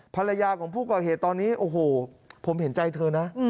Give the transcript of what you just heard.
ภรรยาของผู้ก่อเหตุตอนนี้โอ้โหผมเห็นใจเธอนะ